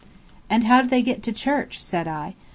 "And how do they get to church?" said I.